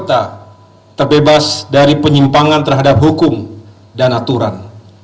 kita terbebas dari penyimpangan terhadap hukum dan aturan